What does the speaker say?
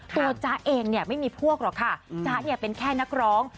จ๊ะเองเนี่ยไม่มีพวกหรอกค่ะจ๊ะเนี่ยเป็นแค่นักร้อง